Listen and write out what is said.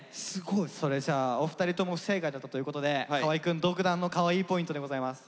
それじゃお二人とも不正解だったということで河合くん独断のカワイイポイントでございます。